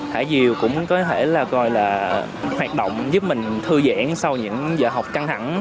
thả diều cũng có thể là hoạt động giúp mình thư giãn sau những giờ học căng thẳng